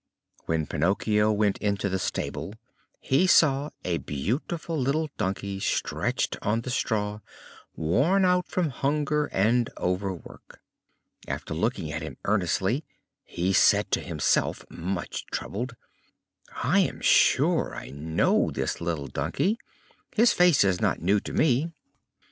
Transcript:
When Pinocchio went into the stable he saw a beautiful little donkey stretched on the straw, worn out from hunger and overwork. After looking at him earnestly, he said to himself, much troubled: "I am sure I know this little donkey! His face is not new to me."